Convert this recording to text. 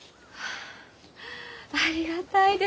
あありがたいです。